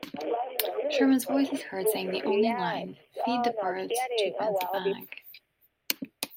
Sherman's voice is heard saying the only line: Feed the Birds, Tuppence a bag.